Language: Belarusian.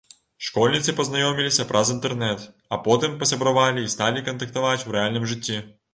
Школьніцы пазнаёміліся праз інтэрнэт, а потым пасябравалі і сталі кантактаваць у рэальным жыцці.